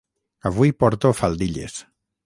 Avui porto faldilles